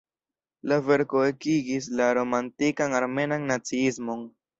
La verko ekigis la romantikan armenan naciismon.